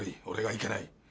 俺がいけない。